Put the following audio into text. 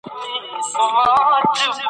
که څوک دا نوې پدیده وبولي، تاریخ یې رد کوي.